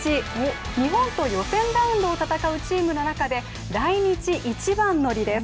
日本と予選ラウンドを戦うチームの中で来日一番乗りです。